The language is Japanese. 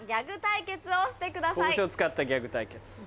拳を使ったギャグ対決。